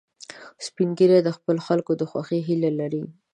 سپین ږیری د خپلو خلکو د خوښۍ هیله لري